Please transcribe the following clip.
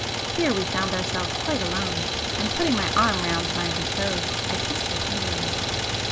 Here we found ourselves quite alone, and putting my arm round my betrothed, I kissed her tenderly.